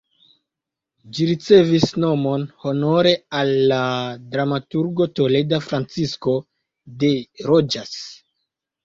Ĝi ricevis nomon honore al la dramaturgo toleda Francisco de Rojas.